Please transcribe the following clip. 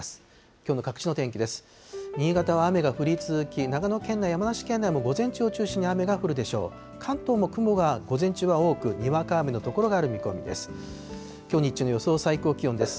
きょうの各地の天気です。